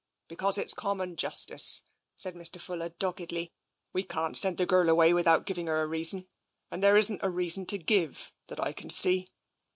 " Because it's common justice," said Mr. Fuller dog gedly. " We can't send the girl away without giving her a reason, and there isn't a reason to give, that I can see."